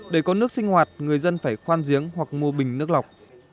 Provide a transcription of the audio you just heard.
để có nước sinh hoạt người dân phải khoan giếng hoặc mua bình nước lọc